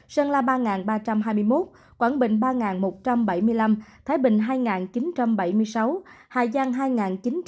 sơn la ba ba trăm hai mươi một quảng bình ba một trăm bảy mươi năm thái bình hai chín trăm bảy mươi sáu hà giang hai chín trăm tám mươi